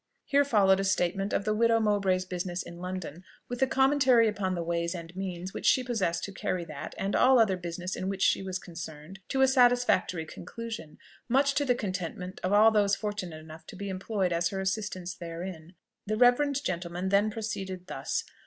[Here followed a statement of the widow Mowbray's business in London, with the commentary upon the ways and means which she possessed to carry that, and all other business in which she was concerned, to a satisfactory conclusion, much to the contentment of all those fortunate enough to be employed as her assistants therein. The reverend gentleman then proceeded thus.